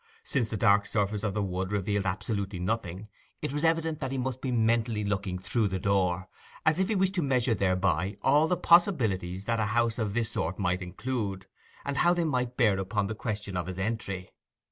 Since the dark surface of the wood revealed absolutely nothing, it was evident that he must be mentally looking through the door, as if he wished to measure thereby all the possibilities that a house of this sort might include, and how they might bear upon the question of his entry.